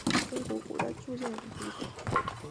中国古代铸剑鼻祖。